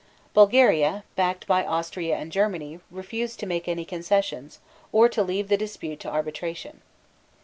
Bulgaria, backed by Austria and Germany, refused to make any concessions, or to leave the dispute to arbitration.